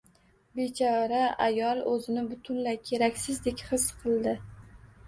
Bechora ayol o`zini butunlay keraksizdek his qildi